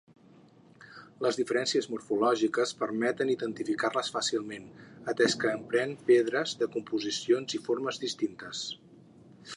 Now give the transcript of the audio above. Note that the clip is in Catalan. Les diferències morfològiques permeten d'identificar-les fàcilment, atès que empren pedres de composicions i formes distintes.